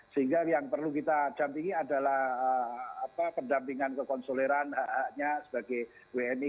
sehingga yang perlu kita dampingi adalah pendampingan kekonsuleran hak haknya sebagai wni